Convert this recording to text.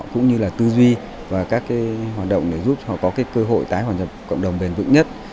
cũng như là tư duy và các hoạt động để giúp họ có cơ hội tái hòa nhập cộng đồng bền vững nhất